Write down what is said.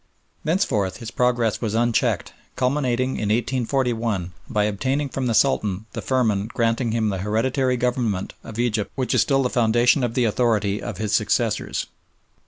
Thenceforward his progress was unchecked, culminating in 1841 by obtaining from the Sultan the firman granting him the hereditary government of Egypt which is still the foundation of the authority of his successors.